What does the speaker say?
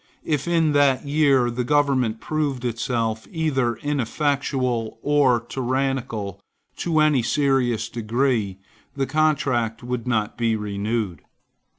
If, in that year, the government proved itself either inefficient or tyrannical, to any serious degree, the contract would not be renewed.